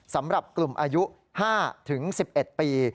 สำหรับกลุ่มอายุ๕๑๑ปี